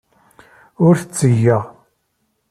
Ur t-ttgeɣ.